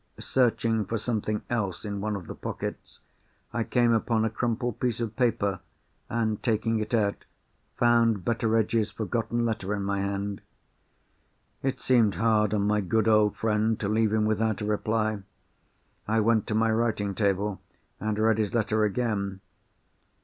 Searching for something else in one of the pockets, I came upon a crumpled piece of paper, and, taking it out, found Betteredge's forgotten letter in my hand. It seemed hard on my good old friend to leave him without a reply. I went to my writing table, and read his letter again.